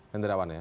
tentara wan ya